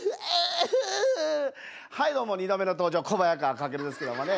はいどうも２度目の登場コバヤカワカケルですけどもね